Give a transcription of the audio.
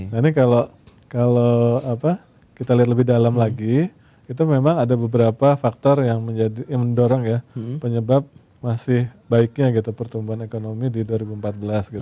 nah ini kalau kita lihat lebih dalam lagi itu memang ada beberapa faktor yang mendorong ya penyebab masih baiknya gitu pertumbuhan ekonomi di dua ribu empat belas gitu